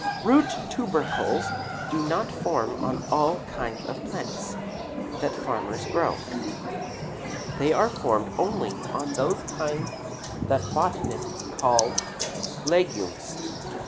Root tubercles do not form on all kinds of plants that farmers grow. They are formed only on those kinds that botanists call legumes.